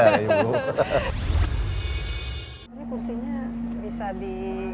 ini kursinya bisa diganti ganti